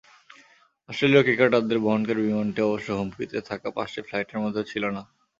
অস্ট্রেলীয় ক্রিকেটারদের বহনকারী বিমানটি অবশ্য হুমকিতে থাকা পাঁচটি ফ্লাইটের মধ্যে ছিল না।